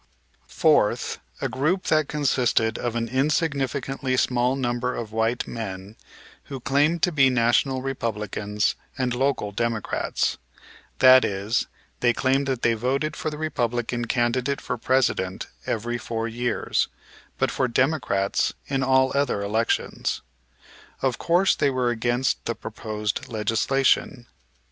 Fourth, a group that consisted of an insignificantly small number of white men who claimed to be national Republicans and local Democrats, that is, they claimed that they voted for the Republican candidate for President every four years, but for Democrats in all other elections. Of course they were against the proposed legislation.